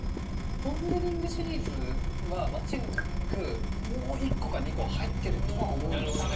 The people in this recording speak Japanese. ポン・デ・リングシリーズは間違いなくもう１個か２個入ってるとは思うんですよね。